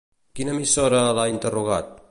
Quina emissora l'ha interrogat?